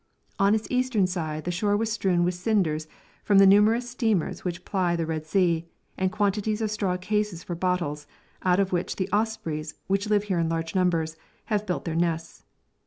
On its eastern side the shore was strewn with cinders from the numerous steamers which ply the Red Sea, and quantities of straw cases for bottles, out of which the ospreys, which live here in large numbers, have built their nests.